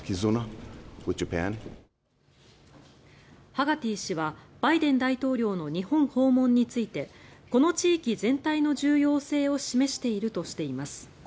ハガティ氏はバイデン大統領の日本訪問についてこの地域全体の重要性を示しているとしています。